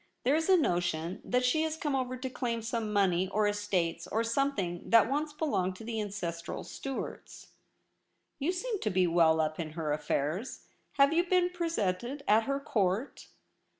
There is a notion that she has come over to claim some money or estates, or some thing that once belonged to the ancestral Stuarts.' ' You seem to be well up in her affairs. Have you been presented at her court